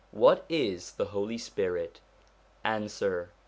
What is the Holy Spirit ? Answer.